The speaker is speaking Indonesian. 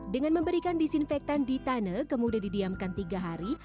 dengan memberikan disinfektan di tanah kemudian didiamkan tiga hari